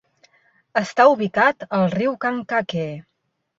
Està ubicat al riu Kankakee.